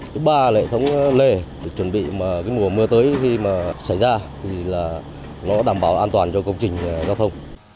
thứ ba là hệ thống lề chuẩn bị mùa mưa tới khi xảy ra thì nó đảm bảo an toàn cho công trình giao thông